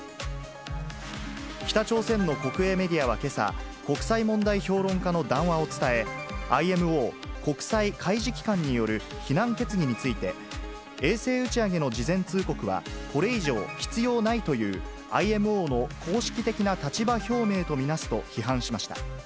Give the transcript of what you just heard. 北朝鮮の国営メディアはけさ、国際問題評論家の談話を伝え、ＩＭＯ・国際海事機関による非難決議について、衛星打ち上げの事前通告は、これ以上必要ないというＩＭＯの公式的な立場表明と見なすと批判しました。